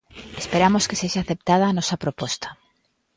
Esperamos que sexa aceptada a nosa proposta.